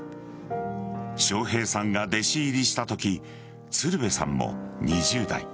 笑瓶さんが弟子入りしたとき鶴瓶さんも２０代。